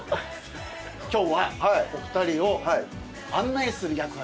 今日はお二人を案内する役割で。